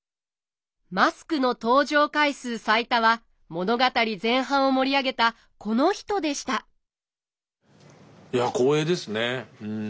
マスクの登場回数最多は物語前半を盛り上げたこの人でしたいや光栄ですねうん。